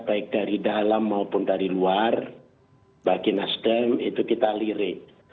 baik dari dalam maupun dari luar bagi nasdem itu kita lirik